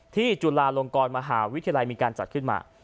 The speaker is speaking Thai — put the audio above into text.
จุฬาลงกรมหาวิทยาลัยมีการจัดขึ้นมา